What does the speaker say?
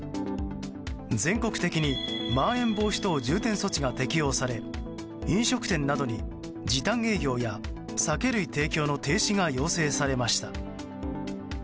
全国的にまん延防止等重点措置が適用され飲食店などに時短営業や酒類提供の停止が要請されました。